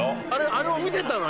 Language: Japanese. あれを見てたの？